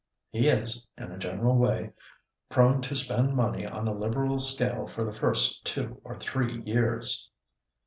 He is, in a general way, prone to spend money on a liberal scale for the first two or three years.